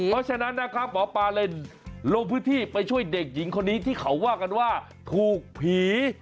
เพราะฉะนั้นนะครับหมอปลาเลยลงพื้นที่ไปช่วยเด็กหญิงคนนี้ที่เขาว่ากันว่าถูกผี